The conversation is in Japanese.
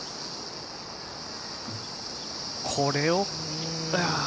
これを。